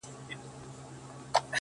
ما دی درکړی خپل زړه تاته امانت شېرينې!